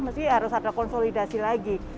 mesti harus ada konsolidasi lagi